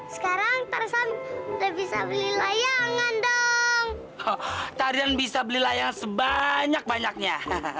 sekarang taruhsan udah bisa beli layangan dong tarian bisa beli layang sebanyak banyaknya